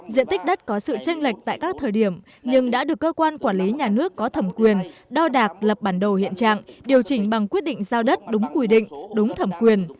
diện tích đất có sự tranh lệch tại các thời điểm nhưng đã được cơ quan quản lý nhà nước có thẩm quyền đo đạc lập bản đồ hiện trạng điều chỉnh bằng quyết định giao đất đúng quy định đúng thẩm quyền